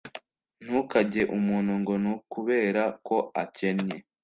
Ntukanjye umuntu ngo nukubera ko akennye